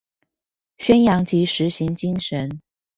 宣揚及實行精神